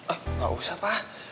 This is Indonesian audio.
eh nggak usah pak